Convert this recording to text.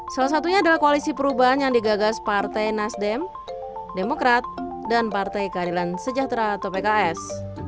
salah satunya adalah koalisi perubahan yang digagas partai nasdem demokrat dan partai keadilan sejahtera atau pks